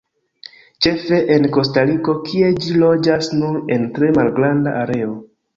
Ĉefe en Kostariko, kie ĝi loĝas nur en tre malgranda areo.